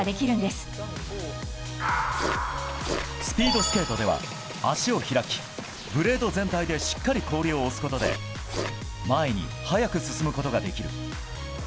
スピードスケートでは足を開きブレード全体でしっかり氷を押すことで前に速く進むことができる。